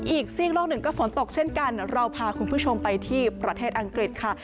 อีกซีกโลกหนึ่งก็ฝนตกเช่นกันเราพาคุณผู้ชมไปที่ประเทศอังกฤษค่ะ